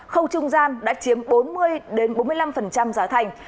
khâu trung gian đã chiếm bốn mươi bốn mươi năm giá thành